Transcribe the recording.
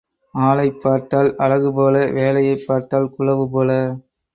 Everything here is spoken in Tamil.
ஆளைப் பார்த்தால் அழகுபோல வேலையைப் பார்த்தால் குழவு போல.